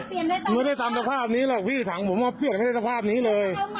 ไม่ได้ไม่ได้ตามสภาพนี้หรอกพี่ถังผมไม่ได้เปลี่ยนตามสภาพนี้เลย